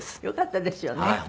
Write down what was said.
よかったですよね。